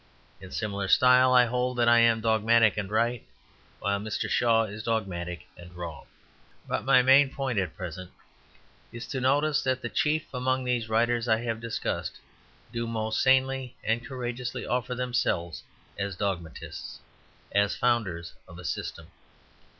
In similar style, I hold that I am dogmatic and right, while Mr. Shaw is dogmatic and wrong. But my main point, at present, is to notice that the chief among these writers I have discussed do most sanely and courageously offer themselves as dogmatists, as founders of a system.